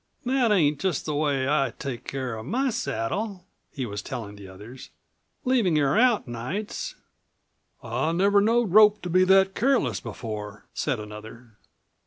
"That ain't just the way I take care of my saddle," he was telling the others; "leavin' her out nights." "I never knowed Rope to be that careless before," said another.